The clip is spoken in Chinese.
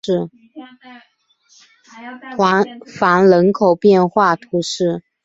凡人口变化图示